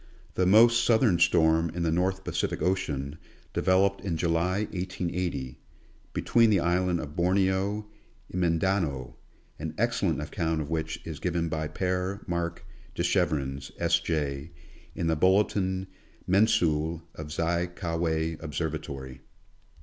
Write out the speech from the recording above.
The most southern storm in the North Pacific ocean, developed in July, 1880, between the Island of Borneo and Mindanao, an excellent account of which is given by P^re Mark Dechevrens, S. J., in the Bulletin Mensuelle of Zi Ka Wei Observatory.